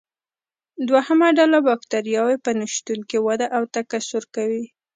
دوهمه ډله بکټریاوې په نشتون کې وده او تکثر کوي.